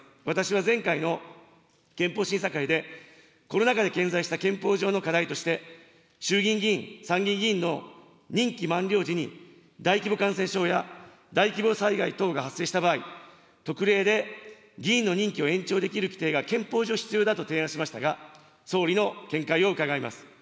私は前回の憲法審査会で、コロナ禍で顕在した憲法上の課題として、衆議院議員、参議院議員の任期満了時に大規模感染症や大規模災害等が発生した場合、特例で議員の任期を延長できる規定が憲法上必要だと提案しましたが、総理の見解を伺います。